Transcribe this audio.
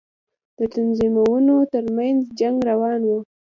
د تنظيمونو تر منځ جنگ روان و.